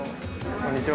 こんにちは。